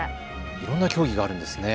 いろんな競技があるんですね。